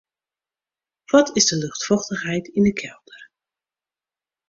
Wat is de luchtfochtichheid yn 'e kelder?